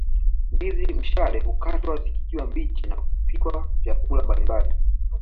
Ndizi mshale hukatwa zikiwa mbichi na kupikiwa vyakula mbalimbali